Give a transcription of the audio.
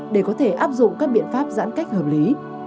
để có thể áp dụng các biện pháp giãn cách hợp lý